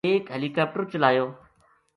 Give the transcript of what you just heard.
ایک ہیلی کاپٹر چلایو